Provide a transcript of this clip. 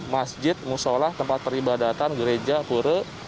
masjid musolah tempat peribadatan gereja pure